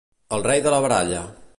El rei de la baralla.